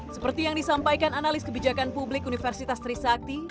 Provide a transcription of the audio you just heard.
seperti yang disampaikan analis kebijakan publik universitas trisakti